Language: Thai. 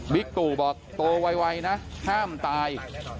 บิกตุบอกโตวัยนะห้ามตาย